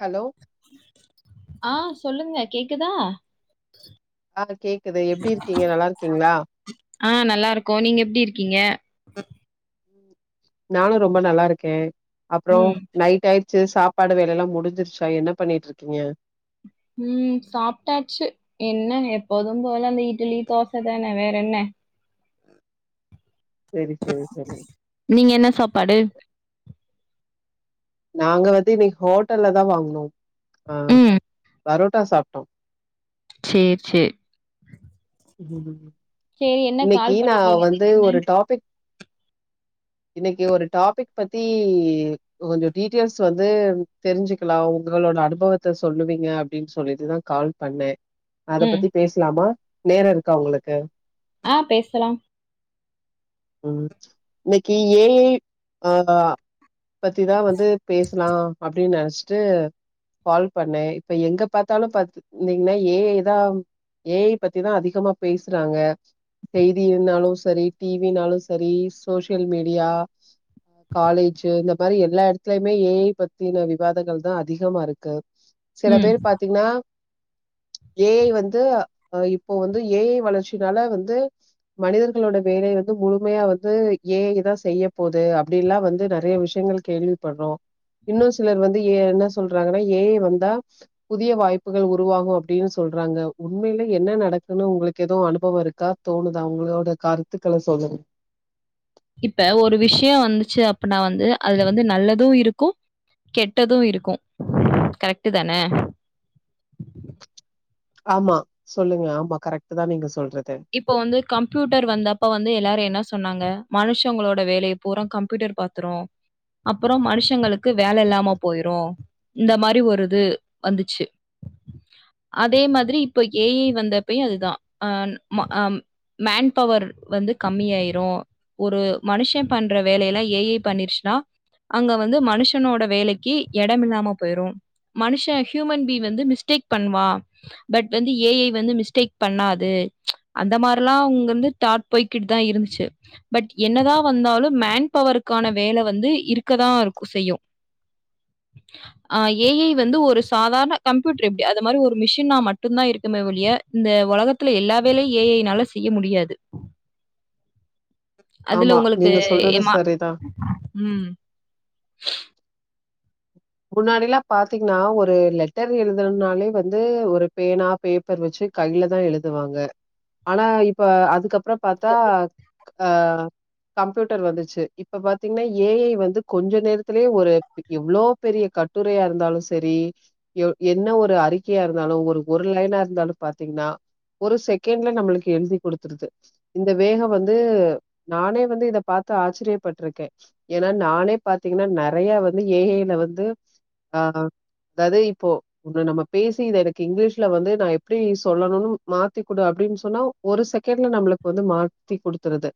Hello ஆ சொல்லுங்க கேக்குதா ஆ கேக்குது எப்டி இருக்கீங்க நல்லா இருக்கீங்களா ஆ நல்லா இருக்கோ நீங்க எப்டி இருக்கீங்க நானு ரொம்ப நல்லா இருக்கே அப்றோ ம் நைட் ஆயி சேர் சாப்பாடு வேலைலா முடிஞ்சிருச்சா என்ன பண்ணீட்ருக்கீங்க ம் சாப்ட்டாச்சு என்ன எப்போதும் போல அந்த இட்லி தோச தான வேற என்ன செரி செரி செரி நீங்க என்ன சாப்பாடு நாங்க வந்து இன்னிக் ஹோட்டல்ல தா வாங்குனோம் ஆ ம் பரோட்டா சாப்ட்டோ சேர் சேர் சேரி என்ன இன்னிக்கி கால் நா பண்ணிருக்கீங்க வந்து திடீர்னு ஒரு டாபிக் இன்னிக்கு ஒரு டாபிக் பத்தி கொஞ்சோ டீட்டெயில்ஸ் வந்து தெரிஞ்சிக்கலா உங்களோட அனுபவத்த சொல்லுவீங்க அப்டின் சொல்லிட்டுதா கால் பண்ணே அத ம் பத்தி பேசலாமா நேரோ இருக்கா உங்களுக்கு ஆ பேசலாம் ம் இன்னைக்கு ஏ ஐ ஆமா பத்திதா வந்து பேசலா அப்டின்னு நெனச்சிட்டு கால் பண்ணே இப்ப எங்க பாத்தாலு பாத்தீங்ன்னா ஏ ஐ தா ஏ ஐ பத்திதா அதிகமா பேசுறாங்க செய்தியினாலு சரி டிவினாலு சரி சோசியல் மீடியா காலேஜு இந்த மாரி எல்லா எட்த்துலயுமே ஏஐ பத்தின விவாதங்கள் தா அதிகமா இருக்கு சில ம் பேர் பாத்தீங்னா ஏஐ வந்து இப்போ வந்து ஏஐ வளர்ச்சி அதனால வந்து மனிதர்களோட வேலைய வந்து முழுமையா வந்து ஏ ஐ தா செய்யப் போது அப்டின்லா வந்து நெறைய விஷயங்கள் கேள்விப்பட்றோ இன்னு சிலர் வந்து ஏ என்ன சொல்றாங்கன்னா ஏ ஐ வந்தா புதிய வாய்ப்புகள் உருவாகு அப்டின்னு சொல்றாங்க உண்மையில என்ன நடக்குன்னு உங்களுக்கு எதுவு அனுப் இப்ப ஒருக்கா தோணுதா உங்களோட கருத்துக்கள சொல்லன் இப்ப ஒரு விஷயோம் வந்துச்சு அப்பனா வந்து அதுல வந்து நல்லது இருக்கு கெட்டது இருக்கு கரெக்டு தானே ஆமா சொல்லுங்க ஆமா கரெக்ட்டு தா நீங்க சொல்றது இப்போ வந்து கம்ப்யூட்டர் வந்தப்ப வந்து எல்லாரு என்ன சொன்னாங்க மனுஷங்களோட வேலய பூரா கம்ப்யூட்டர் பாத்துரு அப்புற மனுஷங்களுக்கு வேல இல்லாம போயிரு இந்த மாரி ஒரு இது வந்துச்சு அதே மாதிரி இப்ப ஏ ஐ வந்தப்பயு அதுதா அ ம அம் மேன் பவர் வந்து கம்மியாய்ரு ஒரு மனுஷ பண்ற வேலையெல்லா ஏ ஐ பண்ணிர்ச்சுன்னா அங்க வந்து மனுஷனோட வேலைக்கி எடமில்லாம போயிரு மனுஷ ஹியூமன் பீ் வந்து மிஸ்டேக் பண்ணுவா பட் வந்து ஏ ஐ வந்து மிஸ்டேக் பண்ணாது அந்த மாரி எல்லா அவுங்க வந்து தாட் போய்கிட்டு தா இருந்துச்சு பட் என்னதா வந்தாலு மேன் பவருக்கான வேல வந்து இருக்கதா இருக்க செய்யு ஆ ஏ ஐ வந்து ஒரு சாதாரண கம்ப்யூட்டர் எப்டி அது மாரி ஒரு மிஷினா மட்டும்தா இருக்குமே ஒழிய இந்த உலகத்துல எல்ல வேலையு ஏஐ னால செய்ய முடியாது அதுல ஆமா. உங்களுக்கு நீங்க சொல்றது ஏமா சரிதான். ம் முன்னாடிலா பாத்தீங்னா ஒரு லெட்டர் எழுதனுனாலே வந்து ஒரு பேனா பேப்பர் வச்சு கையில தா எழுதுவாங்க ஆனா இப்ப அதுக்கப்பற பாத்தா ஆ கம்ப்யூட்டர் வந்துச்சு இப்ப பாத்தீங்னா ஏஐ வந்து கொஞ்ச நேரத்திலே ஒரு எவ்ளோ பெரிய கட்டுரையா இருந்தாலு சரி யோ என்ன ஒரு அறிக்கையா இருந்தாலு ஒரு ஒரு லைனா இருந்தாலு பாத்தீங்கன்னா ஒரு செகண்ட்ல நம்மளுக்கு எழுதிக் குடுத்துருது இந்த வேகோ வந்து நானே வந்து இத பாத்து ஆச்சரிய பட்ருக்கே ஏன்னா நானே பாத்தீங்கன்னா நெறைய வந்து ஏ ஐ ல வந்து ஆ தது இப்போ இது நம்ம பேசி இத எனக்கு இங்கிலீஷ்ல வந்து நா எப்டி சொல்லணுன் மாத்திக் குடு அப்டின்னு சொன்னா ஒரு செகண்ட்ல நம்மளுக்கு வந்து மாத்தி குடுத்துருது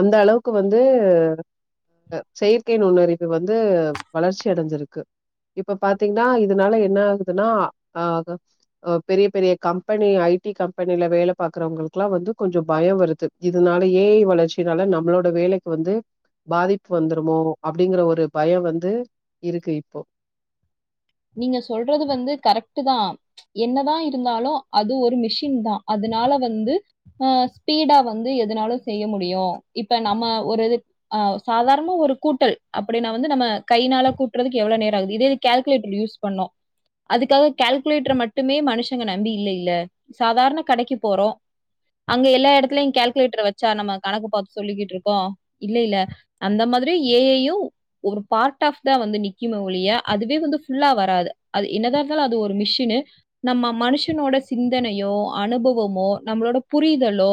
அந்த அளவுக்கு வந்து ஆ செயற்கை நுண்ணறிவு வந்து வளர்ச்சி அடஞ்சிருக் க்கு இப்ப பாத்தீங்னா இதனால என்ன ஆகுதுன்னா ஆ ஆ பெரிய பெரிய கம்பனி ஐ டி கம்பனில வேல பாக்கறவங்களுகல்லா வந்து கொஞ்சோ பயோ வருது இதுனால ஏ ஐ வளர்ச்சினால நம்மளோட வேலைக்கு வந்து பாதிப்பு வந்துருமோ அப்டிங்கற ஒரு பயோ வந்து இருக்கு இப் போ நீங்க சொல்றது வந்து கரக்ட்டு தா என்னதா இருந்தாலு அது ஒரு மிஷின் தா அதனால வந்து ஆ ஸ்பீடா வந்து எதுனாலு செய்ய முடியு இப்ப நம்ம ஒரு இது அ சாதாரணமா ஒரு கூட்டல் அப்படின்னா வந்து நம்ம கைனால கூட்டுறதுக்கு எவ்ளவு நேராகுது இதே இதுக் கேல் குலேட்டர் யூஸ் பண்ணோ அதுக்காக கேல்குலேட்டர மட்டுமே மனுஷங்க நம்பி இல்ல இல்ல சாதாரண கடைக்கு போறோ அங்க எல்லா எடத்துலயு கேல்குலேட்டர வச்சா நம்ம கணக்கு பாத் சொல்லிக்கிட்ருக்கோ இல்லையில்ல அந்த மாதிரி ஏ ஐயு ஒரு பார்ட் ஆஃப் தா வந்து நிக்குமோ ஒழிய அதுவே வந்து ஃபுல்லா வராது அது என்னதா இருந்தாலு அது ஒரு மிஷின்னு நம்ம மனுஷனோட சிந்தனையோ அனுபவமோ நம்மளோட புரிதலோ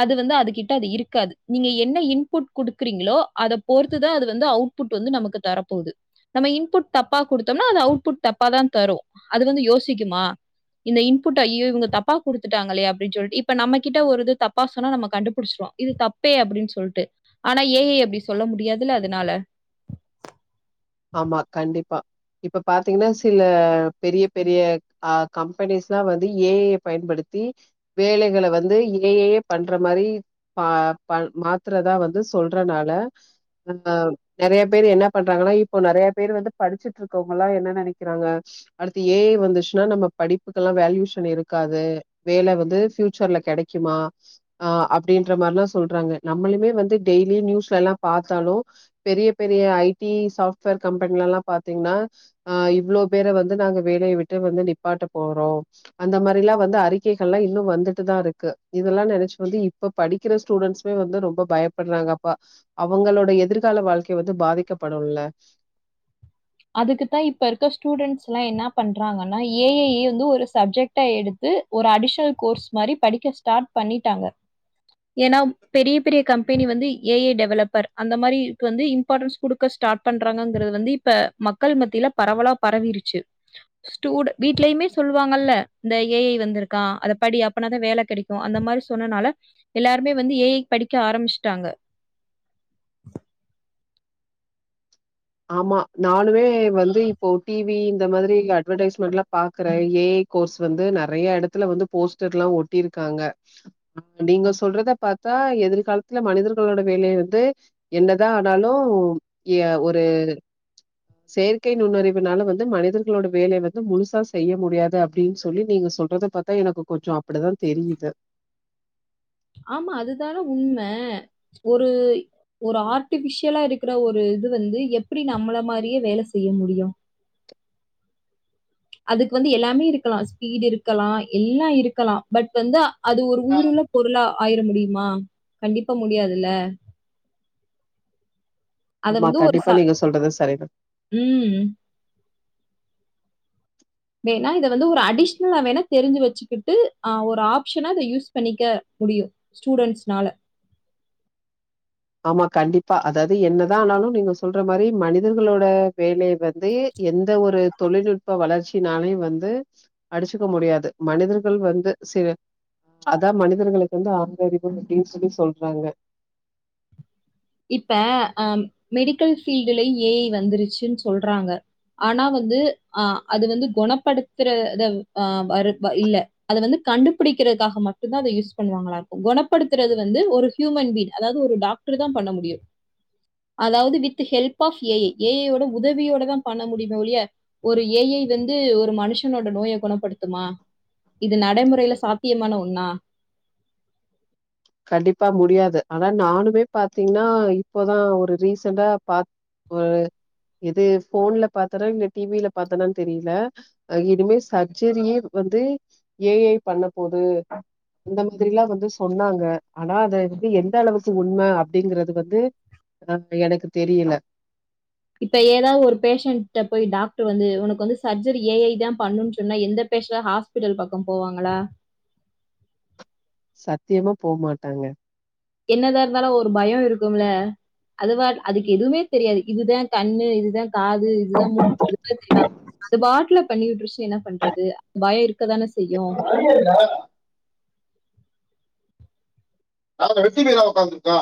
அது வந்து அது கிட்ட அது இருக்காது நீங்க என்ன இன்புட் குடுக்குறீங்களோ அத பொறுத்துதா அது வந்து அவுட்புட் வந்து நமக்கு தரப்போது நம்ம இன்புட் தப் பா குடுத்தம்ன்னா அது அவுட் புட் தப்பா தா தரு அது வந்து யோசிக்குமா இந்த இன்புட்ட ஐயியோ இவங்க தப்பா குடுத்துட்டாங்களே அப்டின் சொல்ட்டு இப்ப நம்ம கிட்ட ஒரு இது தப்பா சொன்னா நம்ம கண்டுபுடிச்சிருவோ இது தப்பே அப்டின் சொல்ட்டு அனா ஏ ஐ அப்டி சொல்ல முடியாதுல்ல அதனால ஆமா கண்டிப்பா இப்ப பாத்தீங்கன்னா சில பெரிய பெரிய ஆ கம்பனீஸ்லா வந்து ஏ ஐ அ பயன்படுத்தி வேலைகள வந்து ஏ ஐயே பண்ற மாரி பா பன் மாத்ரதா வந்து சொல்றனால அ நெறய பேரு என்ன பண்றாங்கன்னா இப் இபோ நெறைய பேரு வந்து படிச்சுட்டு இருக்கவங்கல்லா என்ன நெனைக்கிறாங்க அடுத்து ஏ ஐ வந்துச்சுன்னா நம்ம படிப்புகுல்லா வேல்யூஷன் இருக்காது வேல வந்து பியூச்சர்ல கெடைக்குமா அ அப்டின்ற மாரிலா சொல்றாங்க நம்மளுமே வந்து டெய்லி நியூஸ்லலா பாத்தாலு பெரிய பெரிய ஐ டி சாஃப்ட்வேர் கம்பெனிலலா பாத்தீங்கன்னா ஆ இவ்ளோ பேர வந்து நாங்க வேலைய விட்டு வந்து நிப்பாட்ட போறோ அந்த மாரிலா வந்து அறிக்கைகள்லா இன்னு வந்துட்டுதா இருக்கு இதெல்லா நெனச்சு வந்து இப்ப படிக்கிற ஸ்டூடெண்ட்ஸ்மே வந்து ரொம்ப பயப்படுறாங்க அப்ப அவுங்களோட எதிர்கால வாழ்க்கை வந்து பாதிக்கப்படுல்ல அதுக்குத்தா இப்ப இருக்க ஸ்டூடெண்ட்ஸ்லா என்ன பண்றாங்கன்னா ஏ ஐ ய வந்து ஒரு சப்ஜெக்ட் டா எடுத்து ஒரு அடிஷனல் கோர்ஸ் மாரி படிக்க ஸ்டாட் பண்ணிட்டாங்க ஏனா பெரிய பெரிய கம்பெனி வந்து ஏ ஐ டெவலப்பர் அந்த மாதிரிக்கு வந்து இ ம்பாடன்ஸ் குடுக்க ஸ்டார்ட் பண்றாங்கங்கிறது வந்து இப்ப மக்கள் மத்தியில பரவலா பரவிருச்சு ஸ்டூ வீட்லயுமே சொல்லு வாங்கல்ல இந்த ஏ ஐ வந்திருக்கா அத படி அப்பனாதா வேல கெடைக் கு அந்த மாரி சொன்னனால எல்லாருமே வந்து ஏ ஐ க் படிக்க ஆரம்பிச்சுட்டாங்க ஆமா நானுமே வந்து இபோ டி வி இந்த மாத்ரி அட்வெர்டைஸ்மெண்ட்லா பாக்குறே ஏ ஐ கோர்ஸ் வந்து நெறய எடத்துல வந்து போஸ்டர் எல்லா ஒட்டியிருக்காங்க நீங்க சொல்றத பாத்தா எதிர்காலத்துல மனிதர்களோட வேலய வந்து என்னதா ஆனாலு எ ஒரு செயற்கை நுண்ணறிவுனால வந்து மனிதர்களோட வேல வந்து முழுசா செய்ய முடியாது அப்டின்னு சொல்லி நீங்க சொல்றத பாத் தா எனக்கு கொஞ்ச அப்டிதா தெரியிது ஆமா அதுதானே உண்ம ஒரு ஒரு ஆர்ட்டிபிஷியலா இருக்கிற ஒரு இது வந்து எப்டி நம்மள மாரியே வேல செய்ய முடியு அதுக்கு வந்து எல்லாமே இருக்கலா ஸ்பீடு இருக்கலா எல்லா இருக்கலா பட் வந்து அது ஒரு உயிருள்ள பொருளா ஆயிர முடிய்மா கண்டிப்பா முடியாதுல அத ஆமா வந்து ஒரு கண்டிப்பா ச நீங்க சொல்றது சரிதா ம் வேணா இத வந்து ஒரு அடிஷ்னலா வேணா தெரிஞ்சு வெச்சுக்கிட்டு ஆ ஒரு ஆப்ஷனா அத யூஸ் பண்ணிக்க முடியு ஸ்டூடெண்ட்ஸ்னால ஆமா கண்டிப்பா அதாது என்னதா ஆனாலு நீங்க சொல்ற மாரி மனிதர்களோட வேலய வந்து எந்த ஒரு தொழில்நுட்ப வளர்ச்சினாலயு வந்து அடிச்சுக்க முடியாது மனிதர்கள் வந்து சி அதா மனிதர்களுக்கு வந்து ஆர் அறிவு அப்டின் சொல்லி சொல்றாங்க இப்ப அ மெடிக்கல் ஃபீல்டுல ஏ ஐ வந்துருச்சுன் சொல்றாங்க ஆனா வந்து ஆ அது வந்து கொணப்படுத்துற இத ஆ வருத் வ இல்ல அத வந்து கண்டுபிடிக்கிறதுக்காக மட்டுதா அத யூஸ் பண்ணுவாங்களா இருக்கு குணப்படுத்றது வந்து ஒரு க்யூமென் பீன் அதாவ்து ஒரு டாக்ட்ரு தா பண்ண முடியு அதாவ்து with help of A I A I யோட உதவியோட தா பண்ண முடியுமோ வொழியே ஒரு ஏ ஐ வந்து ஒரு மனுஷனோட நோய குணப்படுத்துமா இது நடைமுறையில சாத்தியமான ஒன்னா கண்டிப்பா முடியாது ஆனா நானுமே பாத்தீங்ன்னா இப்பதா ஒரு ரீசண்டா பா ஒரு எது ஃபோன்ல பாத்தனா இல்ல டி வி ல பாத்தனான் தெரியில இனிமே சர்ஜரியே வந்து ஏ ஐ பண்ண போது இந்த மாதிரிலா வந்து சொன்னாங்க ஆனா அத வந்து எந்த அளவுக்கு உண்ம அப்டிங்கறது வந்து அ எனக்கு தெரியில இப்ப எதாவ்து ஒரு பேஷண்ட போய் டாக்ட்ரு வந்து உனக்கு வந்து சர்ஜரி ஏ ஐ தா பண்ணு சொன்னா எந்த பேசன் ஆ ஸ்பிட்டல் பக்கோ போவாங்களா சத்தியமா போமாட்டாங்க என்னதா இருந்தாலும் ஒரு பயம் இருக்குல்ல அதுவ அதுக்கு எதுமே தெரியாது இதுதா கண்ணு இதுதா காது இதுதா மூக்குலா அது பாட்டல பண்ணி விட்டுருச்சு ஏன்னா பண்றது பயம் இருக்கதானே செய்யும் அதேதா நாங்க [unintelligible] ஓக்காந்துருக்கோ